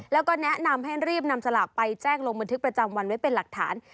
แล้วก็แนะนำให้รีบนำสลากไปแจ้งลงบันทึกประจำวันไว้เป็นหลักฐาน